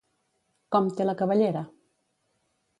Com té la cabellera?